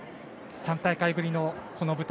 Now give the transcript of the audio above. ３大会ぶりのこの舞台。